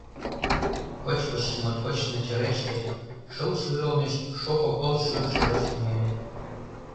Кочкыш моткоч начареште, шыл шӱр олмеш шопо кол шӱр шолаш тӱҥале.